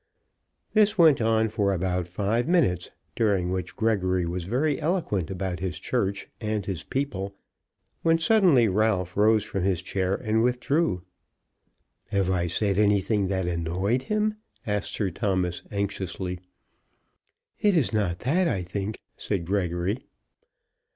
This went on for about five minutes, during which Gregory was very eloquent about his church and his people, when, suddenly, Ralph rose from his chair and withdrew. "Have I said anything that annoyed him?" asked Sir Thomas anxiously. "It is not that, I think," said Gregory.